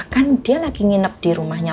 kan dia lagi nginep di rumahnya